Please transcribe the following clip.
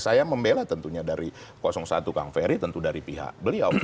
saya membela tentunya dari satu kang ferry tentu dari pihak beliau